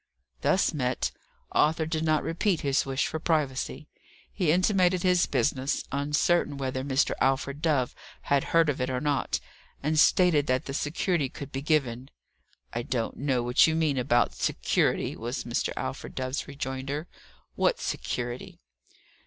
Thus met, Arthur did not repeat his wish for privacy. He intimated his business, uncertain whether Mr. Alfred Dove had heard of it or not; and stated that the security could be given. "I don't know what you mean about 'security,'" was Mr. Alfred Dove's rejoinder. "What security?"